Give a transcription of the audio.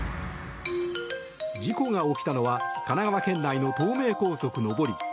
事故が起きたのは神奈川県内の東名高速上り。